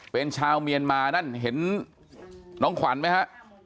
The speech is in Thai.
เป็นชาวเมียนมานั่นเห็นน้องขวัญไหมฮะ